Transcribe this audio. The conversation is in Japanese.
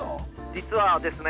実はですね